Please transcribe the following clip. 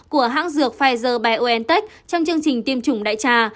của hãng dược pfizer biontech trong chương trình tiêm chủng đại trà